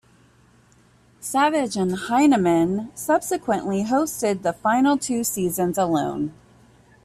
Savage and Hyneman subsequently hosted the final two seasons alone.